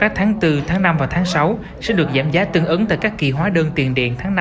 các tháng bốn tháng năm và tháng sáu sẽ được giảm giá tương ứng tại các kỳ hóa đơn tiền điện tháng năm